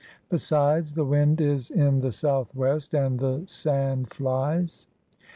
Besides, the wind is in the southwest and the sand flies.